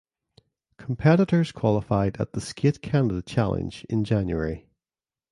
Competitors qualified at the Skate Canada Challenge in January.